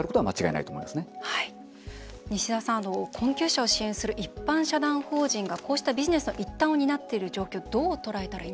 西澤さん困窮者を支援する一般社団法人がこうしたビジネスの一端を担っている状況